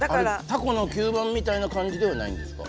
タコの吸盤みたいな感じではないんですか？